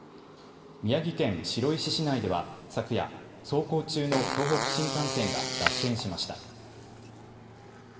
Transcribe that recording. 宮城県白石市内では昨夜、走行中の東北新幹線が脱線しました。